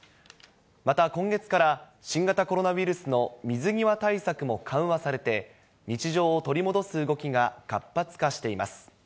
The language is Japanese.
また今月から、新型コロナウイルスの水際対策も緩和されて、日常を取り戻す動きが活発化しています。